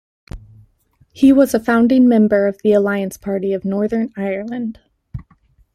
He was a founding member of the Alliance Party of Northern Ireland.